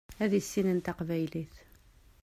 Ad issinen taqbaylit.